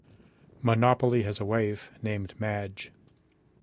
Monopoly has a wife named Madge.